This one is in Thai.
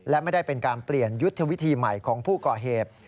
และไม่ได้เป็นการเปลี่ยนยุทธวิธีใหม่ของผู้ก่อเหตุ